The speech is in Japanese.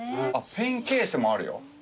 ペンケースもあるよ。